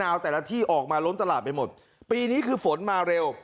แต่ละที่ออกมาล้นตลาดไปหมดปีนี้คือฝนมาเร็ว